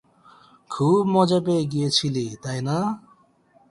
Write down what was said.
খুব মজা পেয়ে গিয়েছিলি, তাই না?